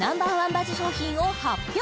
バズ商品を発表